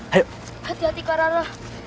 hati hati kak rara